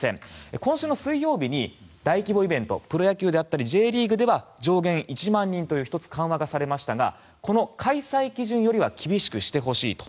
今週の水曜日に大規模イベントプロ野球であったりＪリーグでは上限１万人と１つ緩和がされましたがこの開催基準よりは厳しくしてほしいと。